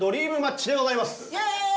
イエーイ！